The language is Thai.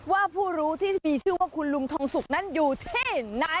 ว่าผู้รู้ที่มีชื่อว่าคุณลุงทองสุกนั้นอยู่ที่ไหน